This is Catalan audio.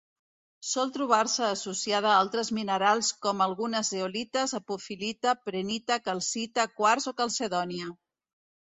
Sol trobar-se associada a altres minerals com: algunes zeolites, apofil·lita, prehnita, calcita, quars o calcedònia.